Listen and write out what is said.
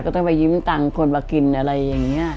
ต้องไปยืมตังค์คนมากินอะไรอย่างนี้